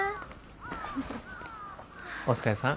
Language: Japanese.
お疲れさん。